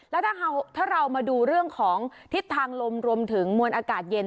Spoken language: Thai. แล้วถ้าเรามาดูเรื่องของทิศทางลมรวมถึงมวลอากาศเย็น